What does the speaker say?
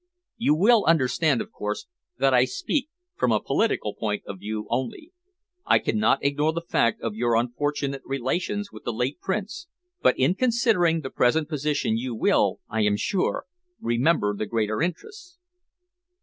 You will understand, of course, that I speak from a political point of view only. I cannot ignore the fact of your unfortunate relations with the late Prince, but in considering the present position you will, I am sure, remember the greater interests."